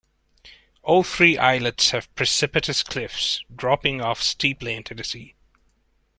All three islets have precipitous cliffs, dropping off steeply into the sea.